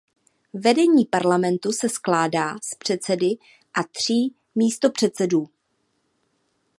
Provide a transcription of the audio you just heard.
Vedení parlamentu se skládá z předsedy a tří místopředsedů.